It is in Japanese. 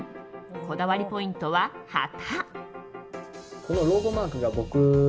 こだわりポイントは旗。